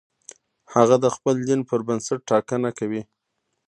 هغه د خپل دین پر بنسټ ټاکنه کوي.